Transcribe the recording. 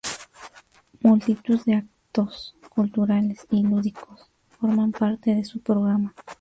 Multitud de actos culturales y lúdicos forman parte de su programa.